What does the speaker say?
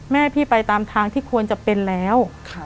แม่พี่ไปตามทางที่ควรจะเป็นแล้ว